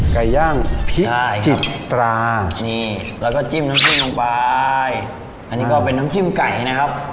ไก่ย่างจิบตรานี่แล้วก็จิ้มน้ำจิ้มลงไปอันนี้ก็เป็นน้ำจิ้มไก่นะครับ